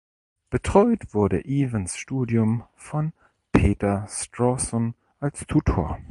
Betreut wurde Evans’ Studium von Peter Strawson als Tutor.